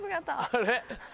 あれ？